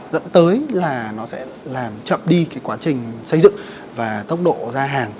dẫn tới là nó sẽ làm chậm đi cái quá trình xây dựng và tốc độ ra hàng